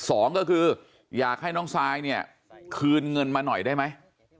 สองก็คืออยากให้น้องซายเนี่ยคืนเงินมาหน่อยได้ไหม